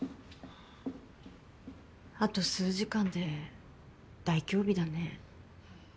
あと数時間で大凶日だね。